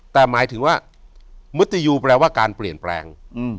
แต่หมายถึงว่ามุติยูแปลว่าการเปลี่ยนแปลง